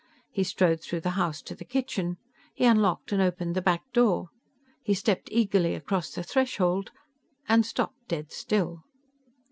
He strode through the house to the kitchen. He unlocked and opened the back door. He stepped eagerly across the threshold and stopped dead still.